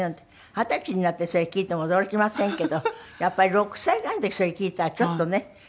二十歳になってそれ聞いても驚きませんけどやっぱり６歳ぐらいの時それ聞いたらちょっとね。